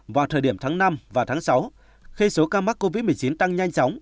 vào thời điểm tháng năm và tháng sáu khi số ca mắc covid một mươi chín tăng nhanh chóng